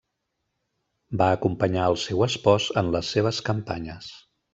Va acompanyar al seu espòs en les seves campanyes.